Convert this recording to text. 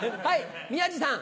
はい。